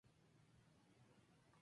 Se rodó en Barcelona.